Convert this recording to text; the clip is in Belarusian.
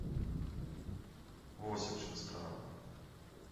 Вось у чым справа.